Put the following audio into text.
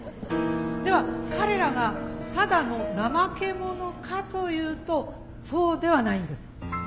では彼らがただの怠け者かというとそうではないんです。